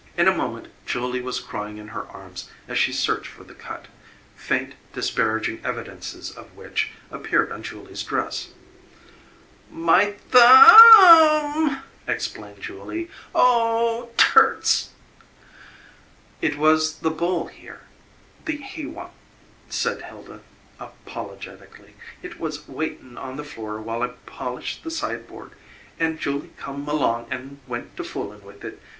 In a moment Julie was crying in her arms as she searched for the cut, faint, disparaging evidences of which appeared on Julie's dress. "My THU umb!" explained Julie. "Oh h h h, t'urts." "It was the bowl here, the he one," said Hilda apologetically. "It was waitin' on the floor while I polished the sideboard, and Julie come along an' went to foolin' with it.